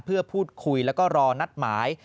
เพื่อพูดคุยแล้วก็รอนัดหมาย